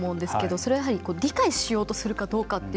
それは、やはり理解しようとするかどうかっていう